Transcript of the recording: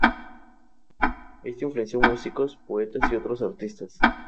Estos síntomas pueden ser fácilmente provocados por el ejercicio.